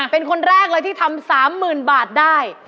เป็นคนแรกเลยที่ทำ๓๐๐๐บาทได้